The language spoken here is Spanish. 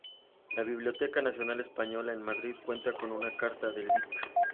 La Biblioteca Nacional española en Madrid cuenta con una carta del Lic.